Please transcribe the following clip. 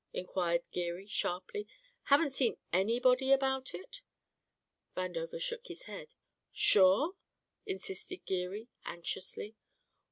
inquired Geary sharply. "Haven't seen anybody about it?" Vandover shook his head. "Sure?" insisted Geary anxiously.